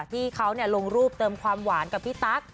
ที่เขาลงรูปเติมความหวานกับพี่ตั๊ก